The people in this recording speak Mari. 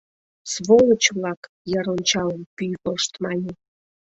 — Сволочь-влак! — йыр ончалын, пӱй вошт мане.